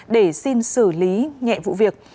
để xin xử lý nhẹ vụ việc